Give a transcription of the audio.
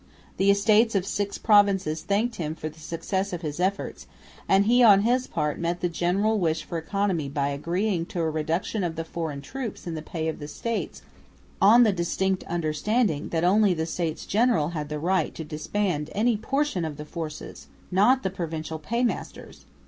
The Estates of six provinces thanked him for the success of his efforts, and he on his part met the general wish for economy by agreeing to a reduction of the foreign troops in the pay of the States on the distinct understanding that only the States General had the right to disband any portion of the forces, not the provincial paymasters.